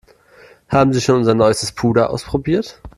Haben Sie schon unser neuestes Puder ausprobiert?